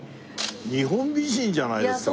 日本美人じゃないですかこれは。